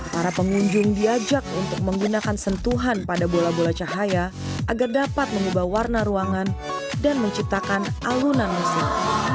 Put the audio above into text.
para pengunjung diajak untuk menggunakan sentuhan pada bola bola cahaya agar dapat mengubah warna ruangan dan menciptakan alunan musik